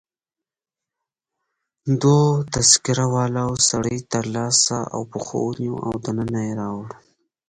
دوو تذکره والاو سړی تر لاسو او پښو ونیو او دننه يې راوړ.